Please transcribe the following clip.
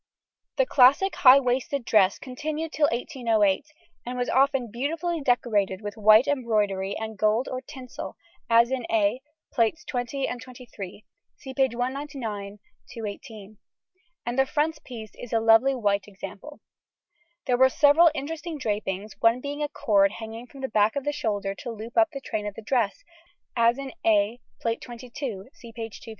] The classic high waisted dress continued till 1808, and was often beautifully decorated with white embroidery and gold or tinsel, as in A, Plates XX and XXIII (see pp. 199, 218), and the frontispiece is a lovely white example. There were several interesting drapings, one being a cord hanging from the back of the shoulder to loop up the train of the dress, as in A, Plate XXII (see p. 215).